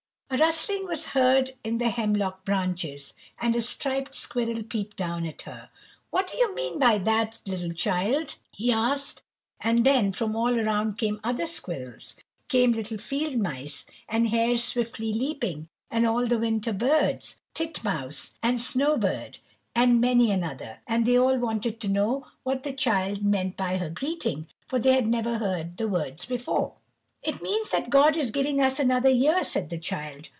A rustling was heard in the hemlock branches, and a striped squirrel peeped down at her. "What do you mean by that, little Child?" he asked. And then from all around came other squirrels, came little field mice, and hares swiftly leaping, and all the winter birds, titmouse and snow bird, and many another; and they all wanted to know what the Child meant by her greeting, for they had never heard the words before. "It means that God is giving us another year!" said the Child.